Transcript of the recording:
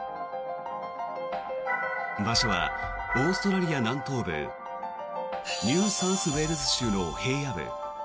場所はオーストラリア南東部ニューサウスウェールズ州の平野部。